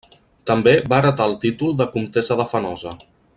També va heretar el títol de comtessa de Fenosa.